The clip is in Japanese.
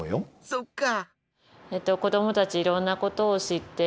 そっか。